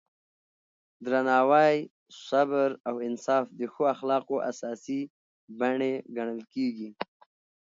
درناوی، صبر او انصاف د ښو اخلاقو اساسي بڼې ګڼل کېږي.